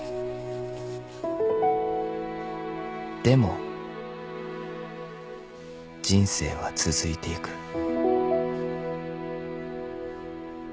［でも人生は続いていく］